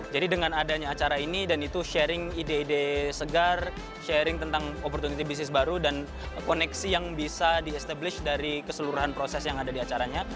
jadi dengan adanya acara ini dan itu sharing ide ide segar sharing tentang opportunity bisnis baru dan koneksi yang bisa diestablish dari keseluruhan proses yang ada di acaranya